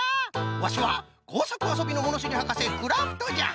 ワシはこうさくあそびのものしりはかせクラフトじゃ。